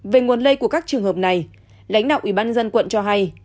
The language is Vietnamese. về nguồn lây của các trường hợp này lãnh đạo ủy ban dân quận cho hay